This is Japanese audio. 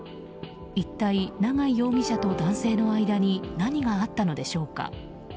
一体、永井容疑者と男性の間に何があったのでしょうか？